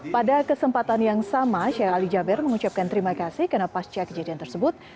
pada kesempatan yang sama sheikh ali jabir mengucapkan terima kasih karena pasca kejadian tersebut